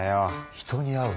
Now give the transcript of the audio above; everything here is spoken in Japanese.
人に会う。